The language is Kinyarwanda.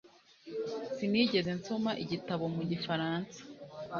Sinigeze nsoma igitabo mu gifaransa